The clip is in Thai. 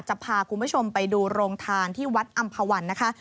จะพาคุณผู้ชมไปดูโรงทานที่วัดอำภาวันนะคะ